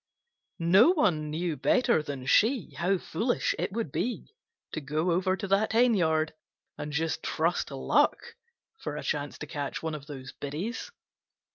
No one knew better than she how foolish it would be to go over to that henyard and just trust to luck for a chance to catch one of those biddies.